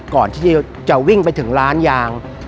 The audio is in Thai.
ก่อนที่จะวิ่งไปถึงร้านยาง